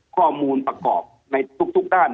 ข้อมูลประกอบในทุกด้าน